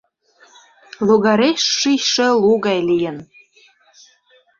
Логареш шичше лу гай лийын.